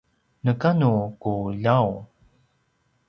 neka nu ku ljaung